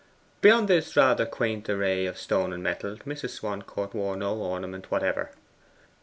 Beyond this rather quaint array of stone and metal Mrs. Swancourt wore no ornament whatever.